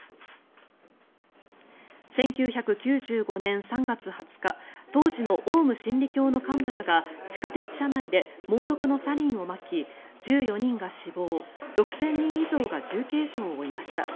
１９９５年３月２０日当時のオウム真理教の幹部らが地下鉄車内で猛毒のサリンをまき１４人が死亡、６０００人以上が重軽傷を負いました。